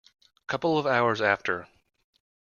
Couple of hours after.